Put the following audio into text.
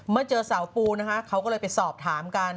เมื่อเจอสาวปูนะคะเขาก็เลยไปสอบถามกัน